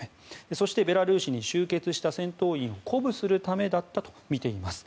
そして、ベラルーシに集結した戦闘員を鼓舞するためだったとみています。